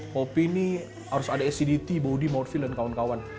kopi ini harus ada acidity body mouthfeel dan kawan kawan